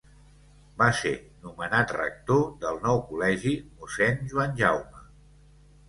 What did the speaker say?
Va ser nomenat rector del nou col·legi Mossèn Joan Jaume.